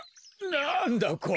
なんだこれ。